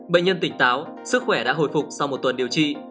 bệnh nhân tỉnh táo sức khỏe đã hồi phục sau một tuần điều trị